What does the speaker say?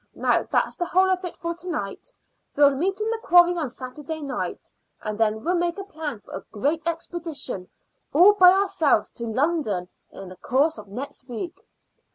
Now that's the whole of it for to night. We'll meet in the quarry on Saturday night, and then we'll make a plan for a great expedition all by ourselves to London in the course of next week."